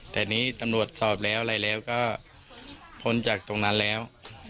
แต่นี่ตำรวจสอบแล้วอะไรแล้วก็พ้นจากตรงนั้นแล้ว